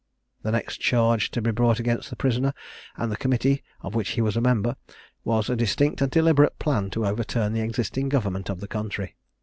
The next charge to be brought against the prisoner, and the committee of which he was a member, was a distinct and deliberate plan to overturn the existing government of the country.